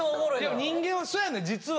人間はそやねん実は。